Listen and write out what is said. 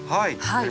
はい。